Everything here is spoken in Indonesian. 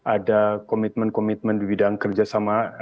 ada komitmen komitmen di bidang kerja sama